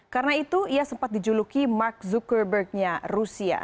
karena itu ia sempat dijuluki mark zuckerberg nya rusia